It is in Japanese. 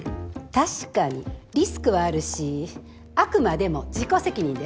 確かにリスクはあるしあくまでも自己責任です。